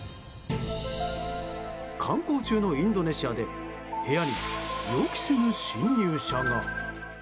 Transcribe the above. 観光中のインドネシアで部屋に予期せぬ侵入者が。